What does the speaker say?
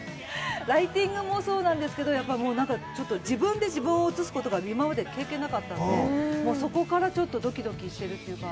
ライティングもそうなんですけど、やっぱりなんかちょっと自分で自分を写すことが今まで経験なかったので、そこからちょっとどきどきしてるというか。